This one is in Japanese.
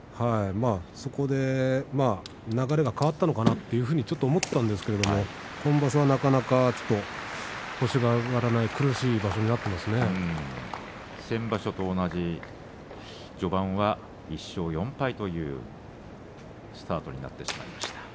そこで流れが変わったのかな？というふうにちょっと思ったんですけど今場所は、なかなか星が挙がらない先場所と同じ、序盤は１勝４敗というスタートになってしまいました。